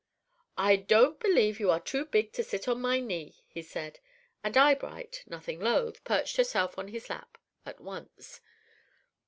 "I don't believe you are too big to sit on my knee," he said; and Eyebright, nothing loth, perched herself on his lap at once.